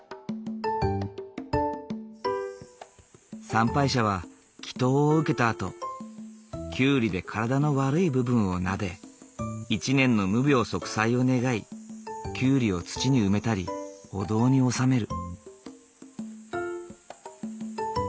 参拝者は祈とうを受けたあとキュウリで体の悪い部分をなで１年の無病息災を願いキュウリを土に埋めたりお堂に納める。